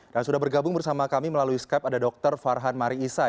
dan sudah bergabung bersama kami melalui skype ada dr farhan mari isai